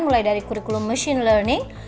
mulai dari kurikulum machine learning